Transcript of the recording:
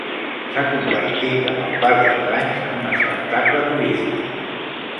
S'ha convertit amb el pas dels anys en un espectacle turístic.